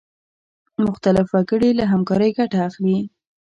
مختلف وګړي له همکارۍ ګټه اخلي.